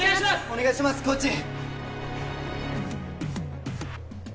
お願いしますコーチ！